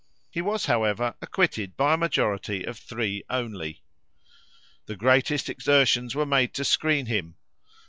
He was, however, acquitted by a majority of three only. The greatest exertions were made to screen him.